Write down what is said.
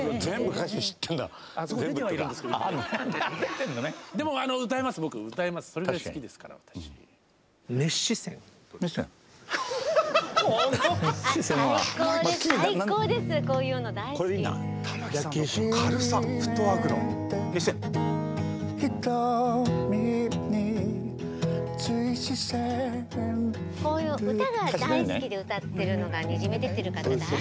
歌が大好きで歌ってるのがにじみ出てる方大好き。